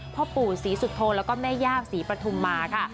พ่อปู่ศรีสุโธแล้วก็แม่ย่าศรีปฐุมมาค่ะ